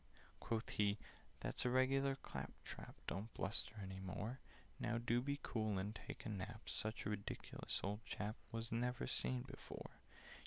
Quoth he "That's regular clap trap: Don't bluster any more. Now do be cool and take a nap! Such a ridiculous old chap Was never seen before!